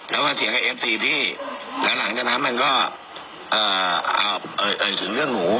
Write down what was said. แล้วมาเถียงกับเอฟซีพี่แล้วหลังจากนั้นมันก็เอ่ยถึงเรื่องหนู